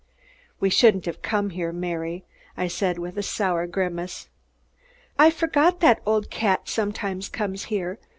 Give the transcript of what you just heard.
"We shouldn't have come here, Mary," I said with a sour grimace. "I forgot that old cat sometimes comes here.